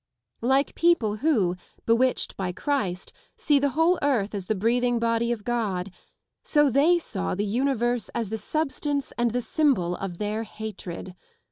Like people who, bewitched by Christ, see the whole earth as the breathing body of God, so they saw the universe as the substance and the symbol of their hatred.